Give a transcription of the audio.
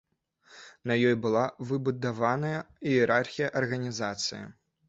На ёй была выбудаваная іерархія арганізацыі.